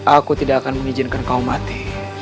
aku tidak akan mengizinkan kau mati